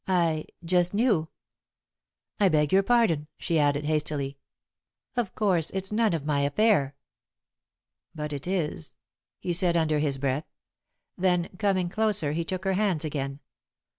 "I just knew. I beg your pardon," she added, hastily. "Of course it's none of my affair." "But it is," he said, under his breath. Then, coming closer, he took her hands again.